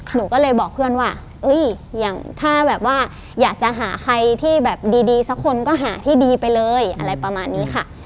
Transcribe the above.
หนูก็เลยบอกเพื่อนว่าอย่างถ้าแบบว่าอยากจะหาใครที่แบบดีสักคนก็หาที่ดีไปเลยอะไรประมาณนี้ค่ะ